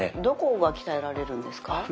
どこが鍛えられるんですか？